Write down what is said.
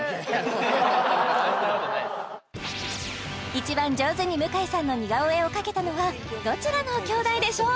一番上手に向井さんの似顔絵を描けたのはどちらの兄弟でしょう？